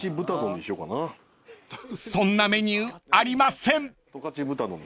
［そんなメニューありません］